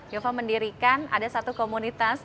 yova mendirikan ada satu komunitas